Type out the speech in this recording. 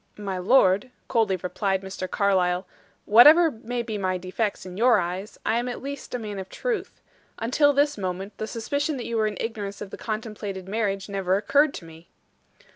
"My lord," coldly replied Mr. Carlyle, "whatever may be my defects in your eyes, I am at least a man of truth. Until this moment, the suspicion that you were in ignorance of the contemplated marriage never occurred to me."